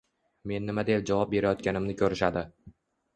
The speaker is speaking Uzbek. Men nima deb javob berayotganimni koʻrishadi.